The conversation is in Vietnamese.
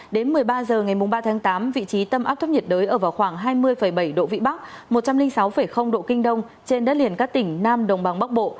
đến một mươi ba h ngày ba tháng tám vị trí tâm áp thấp nhiệt đới ở vào khoảng hai mươi bảy độ vĩ bắc một trăm linh sáu độ kinh đông trên đất liền các tỉnh nam đồng bằng bắc bộ